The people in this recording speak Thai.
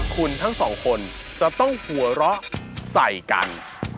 คุณทั้งสองคนจะต้องหัวเราะใส่กัน